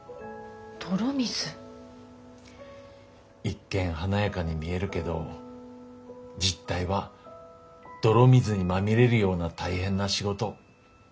一見華やかに見えるけど実態は泥水にまみれるような大変な仕事。